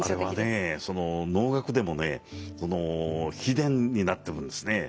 あれはね能楽でもね秘伝になってるんですね。